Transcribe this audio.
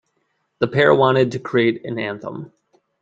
The pair wanted to create an anthem.